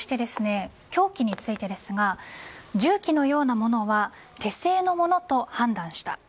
そして凶器についてですが銃器のようなものは手製のものと判断した。